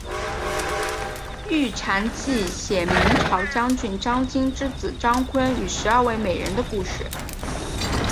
玉蟾记写明朝将军张经之子张昆与十二位美人的故事。